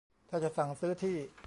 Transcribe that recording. ถ้าจะสั่งซื้อที่